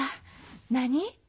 何？